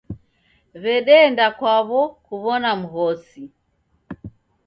W'edeenda kwaw'o kuw'ona mghosi.